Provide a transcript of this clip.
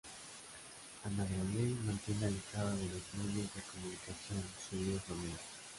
Ana Gabriel mantiene alejada de los medios de comunicación su vida familiar.